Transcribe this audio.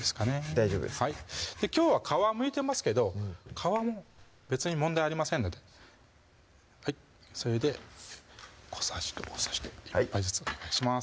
大丈夫ですかきょうは皮むいてますけど皮も別に問題ありませんのでそれで小さじと大さじと１杯ずつお願いします